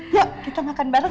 yuk kita makan bareng